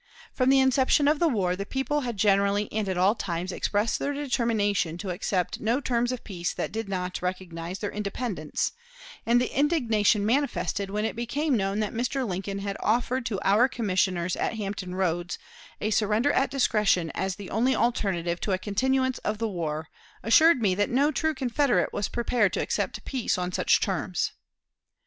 From the inception of the war, the people had generally and at all times expressed their determination to accept no terms of peace that did not recognize their independence; and the indignation manifested when it became known that Mr. Lincoln had offered to our commissioners at Hampton Roads a surrender at discretion as the only alternative to a continuance of the war assured me that no true Confederate was prepared to accept peace on such terms.